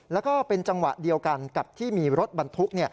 แล้วก็เป็นจังหวะเดียวกันกับที่มีรถบรรทุก